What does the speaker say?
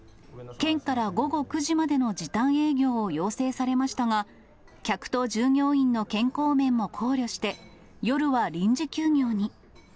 県から午後９時までの時短営業を要請されましたが、客と従業員の健康面も考慮して、夜は臨時休業に。